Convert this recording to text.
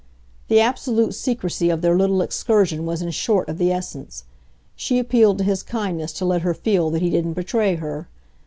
The absolute secrecy of their little excursion was in short of the essence; she appealed to his kindness to let her feel that he didn't betray her.